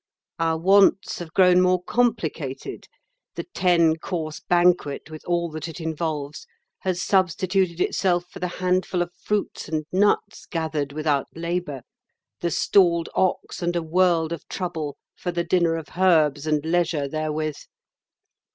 Our wants have grown more complicated; the ten course banquet, with all that it involves, has substituted itself for the handful of fruits and nuts gathered without labour; the stalled ox and a world of trouble for the dinner of herbs and leisure therewith.